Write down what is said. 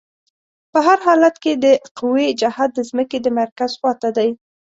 په هر حالت کې د قوې جهت د ځمکې د مرکز خواته دی.